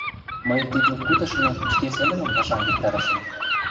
Мый тиде кутышынет шке семынем пашам виктарышым.